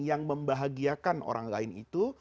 yang membahagiakan orang lain itu